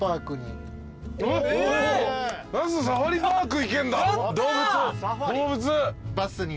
那須サファリパーク行けるんだ。